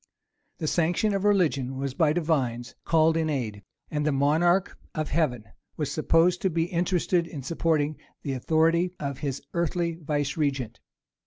The sanction of religion was by divines called in aid; and the Monarch of heaven was supposed to be interested in supporting the authority of his earthly vicegerent.